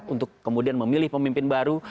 untuk kemudian memilih pemimpin baru